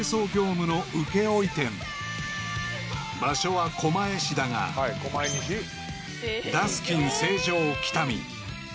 ［場所は狛江市だがダスキン成城喜多見］